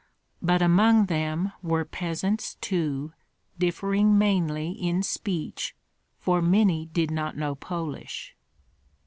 But among them were peasants too, differing mainly in speech, for many did not know Polish.